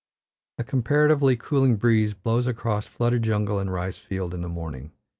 A comparatively cooling breeze blows across flooded jungle and rice field in the morning.